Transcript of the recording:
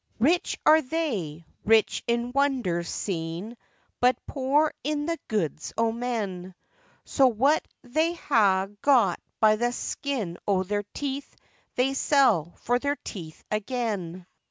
Rich are they, rich in wonders seen, But poor in the goods o' men, So what they ha' got by the skin o' their teeth They sell for their teeth again.